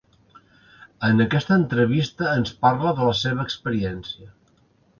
En aquesta entrevista ens parla de la seva experiència.